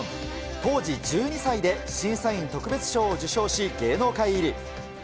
当時１２歳で、審査員特別賞を受賞し、芸能界入り。